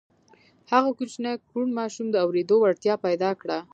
هغه کوچني کوڼ ماشوم د اورېدو وړتیا پیدا کړه